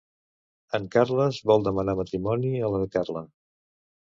En Carles vol demanar matrimoni a la Carla.